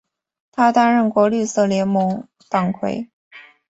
他担任过绿色联盟党魁。